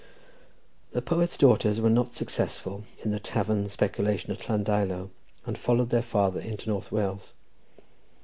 '" The poet's daughters were not successful in the tavern speculation at Llandeilo, and followed their father into North Wales.